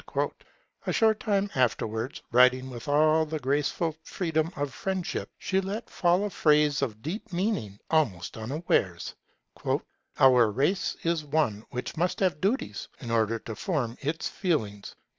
A short time afterwards, writing with all the graceful freedom of friendship, she let fall a phrase of deep meaning, almost unawares: 'Our race is one which must have duties, in order to form its feelings'.